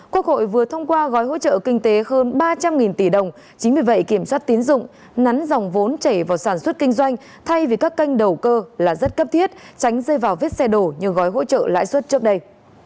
quốc hội vừa thông qua gói hỗ trợ kinh tế hơn ba trăm linh tỷ đồng chính vì vậy kiểm soát tín dụng nắn dòng vốn chảy vào sản xuất kinh doanh thay vì các kênh đầu cơ là rất cấp thiết tránh rơi vào vết xe đổ như gói hỗ trợ lãi suất trước đây